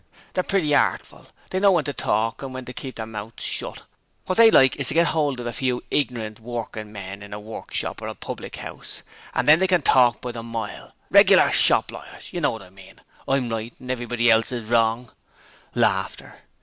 They're pretty artful they know when to talk and when to keep their mouths shut. What they like is to get hold of a few ignorant workin' men in a workshop or a public house, and then they can talk by the mile reg'ler shop lawyers, you know wot I mean I'm right and everybody else is wrong.